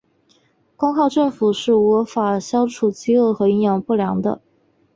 光靠政府是无法消除饥饿和营养不良的。